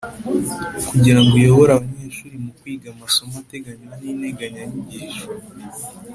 kugira ngo uyobore abanyeshuri mu kwiga amasomo ateganywa n’integanyanyigisho.